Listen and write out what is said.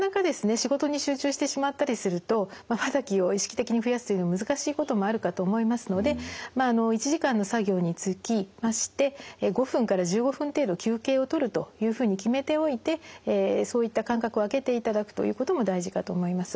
仕事に集中してしまったりするとまばたきを意識的に増やすというのは難しいこともあるかと思いますのでを取るというふうに決めておいてそういった間隔をあけていただくということも大事かと思います。